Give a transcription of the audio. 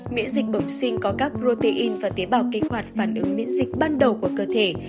miễn dịch bẩm sinh có các protein và tế bào kinh hoạt phản ứng miễn dịch ban đầu của cơ thể